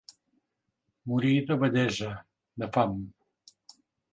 Morir de vellesa, de fam.